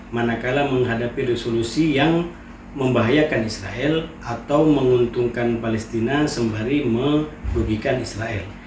manakala menghadapi resolusi yang membahayakan israel atau menguntungkan palestina sembari merugikan israel